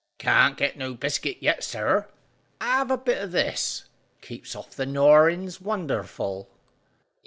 "Can't get no biscuit yet, sir. Have a bit o' this. Keeps off the gnawin's wonderful."